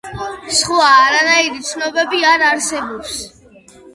სხვა არანაირი ცნობები არ არსებობს.